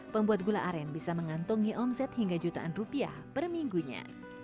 pembuat gula aren bisa mengantongi omset hingga jutaan rupiah per minggunya